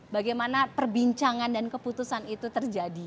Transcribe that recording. bagaimana perbincangan dan keputusan itu terjadi